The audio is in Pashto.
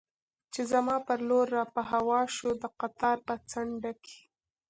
چې زما پر لور را په هوا شو، د قطار په څنډه کې.